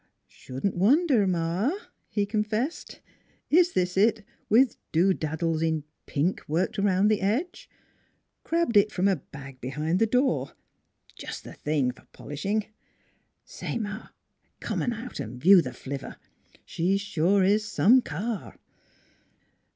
" Shouldn't wonder, ma," he confessed. " Is this it with du daddles in pink worked round the edge? Crabbed it from a bag behind the door. Just the thing for polishing. Say, ma, come on out and view the flivver ! She sure is some car."